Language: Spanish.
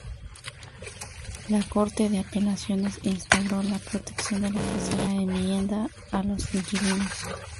La Corte de Apelaciones instauró la protección de la Tercera Enmienda a los inquilinos.